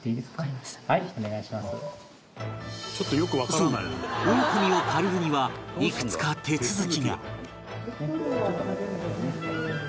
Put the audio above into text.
そうオオカミを借りるにはいくつか手続きが